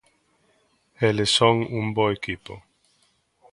Eles son un bo equipo.